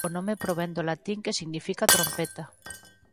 O nome provén do latín que significa trompeta.